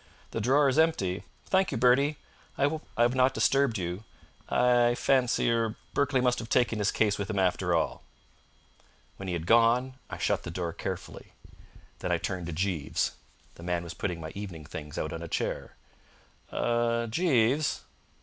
The drawer is empty. Thank you, Bertie. I hope I have not disturbed you. I fancy er Berkeley must have taken his case with him after all." When he had gone I shut the door carefully. Then I turned to Jeeves. The man was putting my evening things out on a chair. "Er Jeeves!"